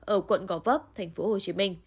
ở quận gò vấp tp hcm